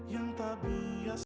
yang tak biasa